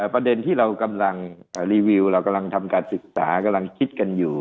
ประเด็นที่เรากำลังรีวิวเรากำลังทำการศึกษากำลังคิดกันอยู่